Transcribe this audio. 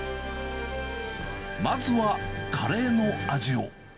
まずはカレーの味を。